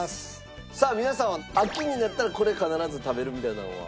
さあ皆さんは秋になったらこれ必ず食べるみたいなのは？